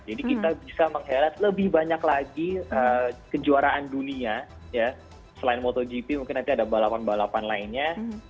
jadi kita bisa mengheret lebih banyak lagi kejuaraan dunia ya selain motogp mungkin nanti ada balapan balapan lainnya